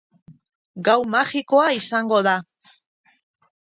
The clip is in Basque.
Gau magikoa izango da.